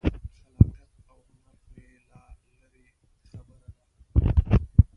خلاقیت او هنر خو یې لا لرې خبره ده.